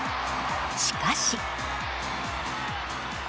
しかし。